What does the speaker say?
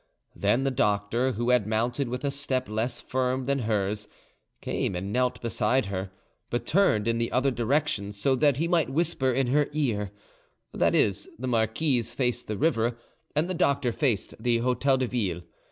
Then the doctor, who had mounted with a step less firm than hers, came and knelt beside her, but turned in the other direction, so that he might whisper in her ear—that is, the marquise faced the river, and the doctor faced the Hotel de Ville.